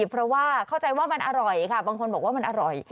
เพราะว่าเข้าใจว่ามันอร่อยค่ะบางคนบอกว่ามันอร่อย